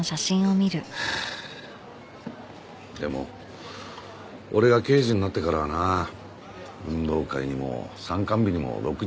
でも俺が刑事になってからはな運動会にも参観日にもろくに行けなくて。